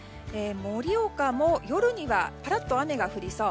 盛岡も夜には、ぱらっと雨が降りそう。